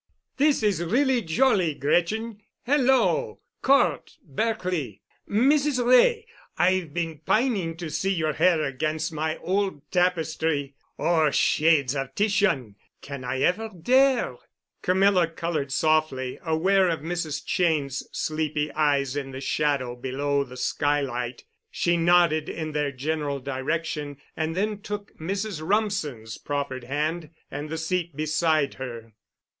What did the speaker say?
"This is really jolly, Gretchen. Hello! Cort, Berkely—Mrs. Wray, I've been pining to see your hair against my old tapestry. Oh! shades of Titian! Can I ever dare?" Camilla colored softly, aware of Mrs. Cheyne's sleepy eyes in the shadow below the skylight. She nodded in their general direction and then took Mrs. Rumsen's proffered hand—and the seat beside her.